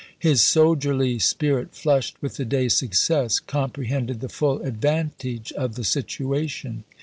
His soldierly spirit, flushed with the day's success, comprehended the full advantage of the situation.